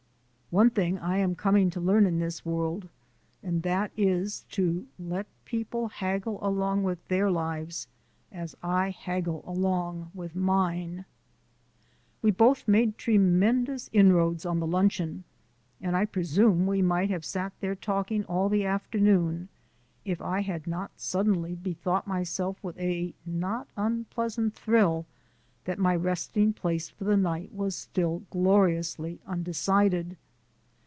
One thing I am coming to learn in this world, and that is to let people haggle along with their lives as I haggle along with mine. We both made tremendous inroads on the luncheon, and I presume we might have sat there talking all the afternoon if I had not suddenly bethought myself with a not unpleasant thrill that my resting place for the night was still gloriously undecided.